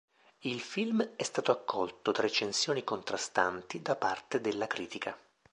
Il film è stato accolto da recensioni contrastanti da parte della critica.